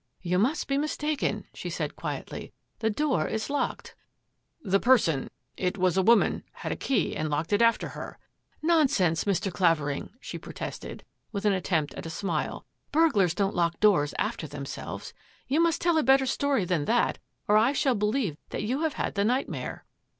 " You must be mistaken,'' she said quietly ;" the door is locked.'' " The person — it was a woman — had a key and locked it after her." " Nonsense, Mr. Clavering," she protested, with an attempt at a smile, ^^ burglars don't lock doors after themselves. You must tell a better story than that or I shall believe that you have had the nightmare."